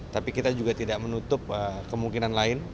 tapi kita juga tidak menutup kemungkinan lain